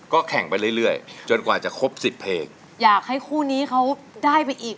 ก็แข่งไปเรื่อยเรื่อยจนกว่าจะครบสิบเพลงอยากให้คู่นี้เขาได้ไปอีก